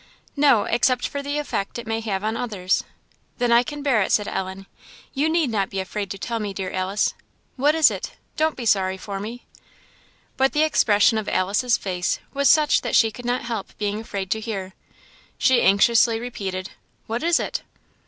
"No, except for the effect it may have on others." "Then I can bear it," said Ellen; "you need not be afraid to tell me, dear Alice; what is it? don't be sorry for me!" But the expression of Alice's face was such that she could not help being afraid to hear: she anxiously repeated, "what is it?"